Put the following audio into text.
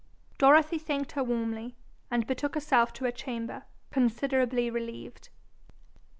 Dorothy thanked her warmly, and betook herself to her chamber, considerably relieved.